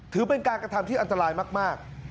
ถือเป็นการกระทำที่อันตรายมาก